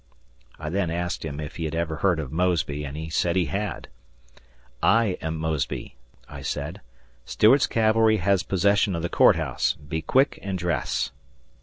I then asked him if he had ever heard of "Mosby", and he said he had. "I am Mosby," I said. "Stuart's cavalry has possession of the Court House; be quick and dress."